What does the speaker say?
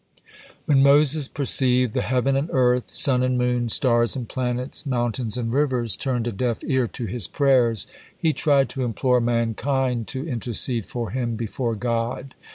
When Moses perceived the Heaven and Earth, Sun and Moon, Stars and Planets, Mountains and Rivers turned a deaf ear to his prayers, he tried to implore mankind to intercede for him before God.